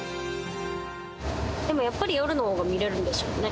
でもやっぱり夜の方が見れるんですよね？